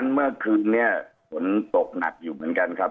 เมื่อคืนนี้ฝนตกหนักอยู่เหมือนกันครับ